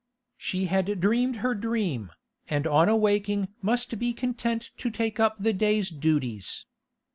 She had dreamed her dream, and on awaking must be content to take up the day's duties.